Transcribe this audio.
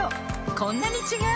こんなに違う！